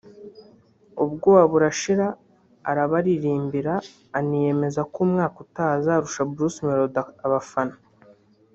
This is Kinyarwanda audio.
ubwoba burashira arabaririmbira aniyemeza ko umwaka utaha azarusha Bruce Melody abafana